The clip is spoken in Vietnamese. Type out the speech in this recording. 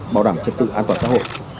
bảo đảm trật tự an toàn xã hội